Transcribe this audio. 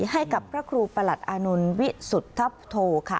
ให้กับพระครูประหลัดอานนท์วิสุทธโธค่ะ